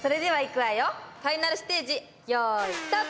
ファイナルステージよいスタート！